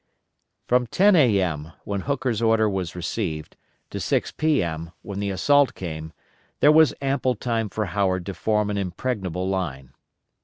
From 10 A.M., when Hooker's order was received, to 6 P.M., when the assault came, there was ample time for Howard to form an impregnable line.